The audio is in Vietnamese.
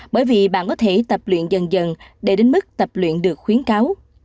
bởi vì bạn có thể tập luyện dần dần để đến mức tập luyện được khuyến cáo